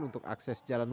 untuk akses jalan wujud